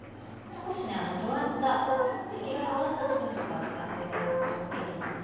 少しねとがった先がとがったスプーンとか使って頂くといいと思います。